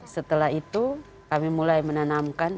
setelah itu kami mulai menanamkan